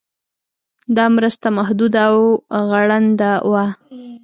دا مرسته محدوده او غړنده وه.